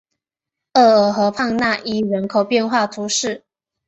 厄尔河畔讷伊人口变化图示